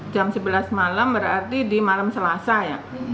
jam sebelas malam berarti di malam selasa ya